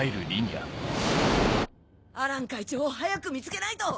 アラン会長を早く見つけないと。